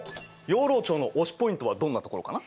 養老町の推しポイントはどんなところかな？